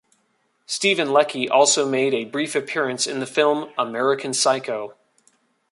Steven Leckie also made a brief appearance in the film, "American Psycho".